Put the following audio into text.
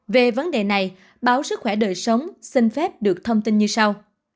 về vấn đề này báo sức khỏe đời sống xin phép được thông tin như sau